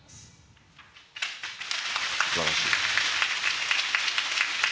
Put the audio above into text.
すばらしい。